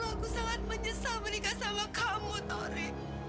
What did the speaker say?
aku sangat menyesal menikah sama kamu tori